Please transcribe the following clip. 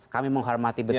kami menghormati betul